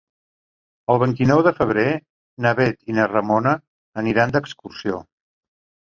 El vint-i-nou de febrer na Bet i na Ramona aniran d'excursió.